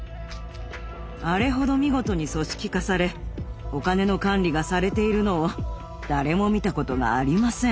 あれほど見事に組織化されお金の管理がされているのを誰も見たことがありません。